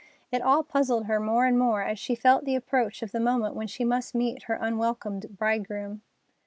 It all puzzled her, more and more as she felt the approach of the moment when she must meet her unwelcome bridegroom.